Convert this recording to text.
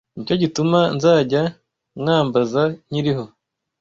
Ni cyo gituma nzajya mwambaza nkiriho